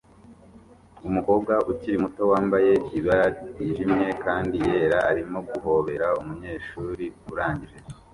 Umukobwa ukiri muto wambaye ibara ryijimye kandi yera arimo guhobera umunyeshuri urangije